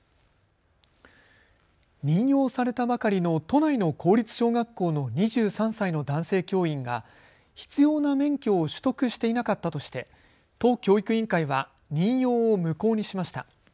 任用されたばかりの都内の公立小学校の２３歳の男性教員が必要な免許を取得していなかったとして、都教育委員会は任用を無効にしました。